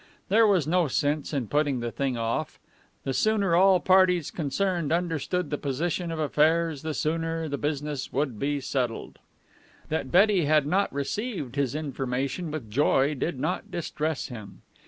There was no sense in putting the thing off. The sooner all parties concerned understood the position of affairs, the sooner the business would be settled. That Betty had not received his information with joy did not distress him.